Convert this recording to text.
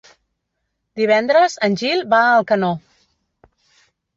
Divendres en Gil va a Alcanó.